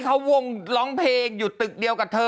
เขาวงร้องเพลงอยู่ตึกเดียวกับเธอ